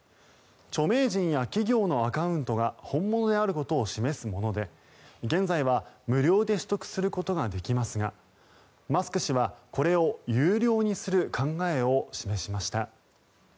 著名人や企業のアカウントが本物であることを示すもので現在は無料で取得することができますがマスク氏は、これを有料にする考えを示しました。